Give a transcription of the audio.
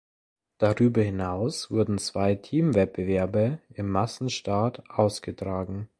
Darüber hinaus wurden zwei Teamwettbewerbe im Massenstart ausgetragen.